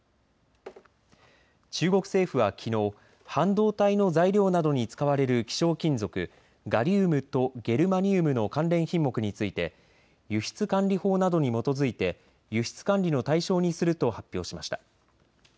中国政府はきのう、半導体の材料などに使われる希少金属、ガリウムとゲルマニウムの関連品目について輸出管理法などに基づいて輸出管理の対象にすると発表しました。